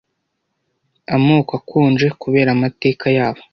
Amoko akonje kubera amateka yabo,